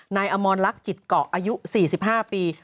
นายอมรลักษ์จิตเกาะอายุ๔๕ปี